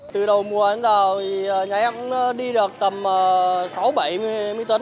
từ đầu mùa đến giờ thì nhà em cũng đi được tầm sáu bảy mươi tấn